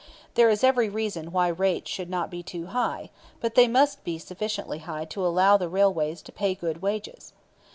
There is every reason why rates should not be too high, but they must be sufficiently high to allow the railways to pay good wages.